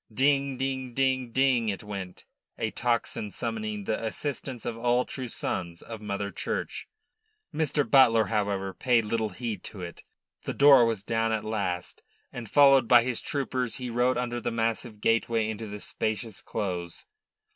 Ding ding ding ding it went, a tocsin summoning the assistance of all true sons of Mother Church. Mr. Butler, however, paid little heed to it. The door was down at last, and followed by his troopers he rode under the massive gateway into the spacious close.